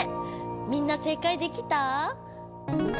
みんな正解できた？